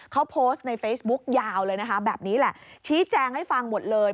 เขาโพสต์ในเฟซบุ๊กยาวเลยนะคะแบบนี้แหละชี้แจงให้ฟังหมดเลย